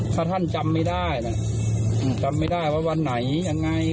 ถ้าท่านจำไม่ได้นะจำไม่ได้ว่าวันไหนยังไง